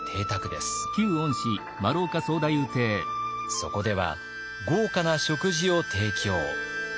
そこでは豪華な食事を提供。